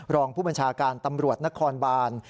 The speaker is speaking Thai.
รองผู้บัญชาการตำรวจนครบาน